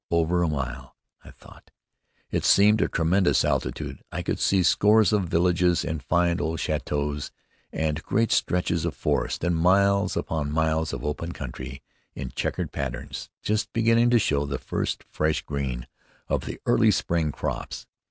"Over a mile!" I thought. It seemed a tremendous altitude. I could see scores of villages and fine old châteaux, and great stretches of forest, and miles upon miles of open country in checkered patterns, just beginning to show the first fresh green of the early spring crops.